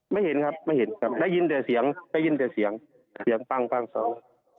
ไม่เห็นครับไม่เห็นครับได้ยินแต่เสียงได้ยินแต่เสียงเสียงปังปังสอง